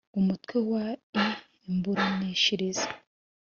umutwe wa ii imiburanishirize